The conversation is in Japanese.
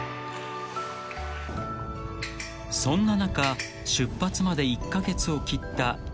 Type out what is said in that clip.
［そんな中出発まで１カ月を切った１月末］